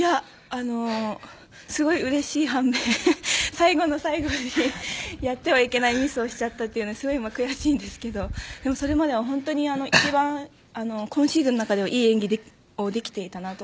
すごいうれしい反面最後の最後にやってはいけないミスをしちゃったというのですごい悔しいんですけどそれまでは本当に一番今シーズンの中では良い演技をできていたのと。